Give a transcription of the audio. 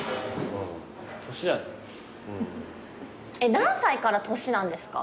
何歳から年なんですか？